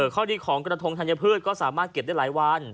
ข้อดีของกระทงธัญพืชก็สามารถเก็บได้หลายวัน